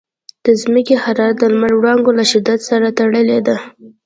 د ځمکې حرارت د لمر د وړانګو له شدت سره تړلی دی.